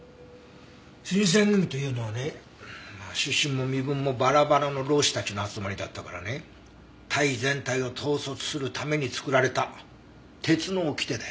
新選組というのはね出身も身分もバラバラの浪士たちの集まりだったからね隊全体を統率するために作られた鉄の掟だよ。